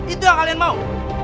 itu yang kalian mau